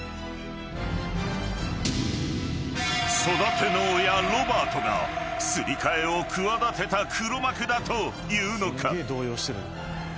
［育ての親ロバートがすり替えを企てた黒幕だというのか？］